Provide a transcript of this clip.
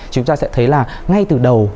chúng ta sẽ thấy là ngay từ đầu